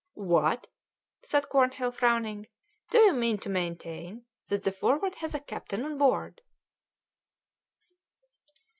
"What!" said Cornhill, frowning, "do you mean to maintain that the Forward has a captain on board?"